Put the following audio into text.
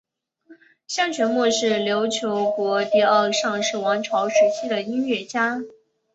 向全谟是琉球国第二尚氏王朝时期的音乐家。